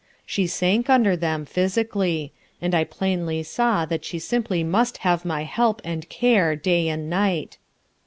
She sank under them, physically, and I plainly saw that she simply must have my help and care day and night.